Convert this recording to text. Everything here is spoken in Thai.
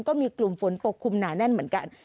ก็มีกลุ่มฝนปกคลุมหนาแน่นเหมือนกัน